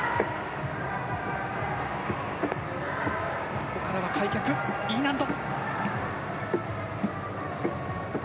ここからは開脚Ｅ難度。